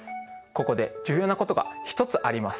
ここで重要なことが一つあります。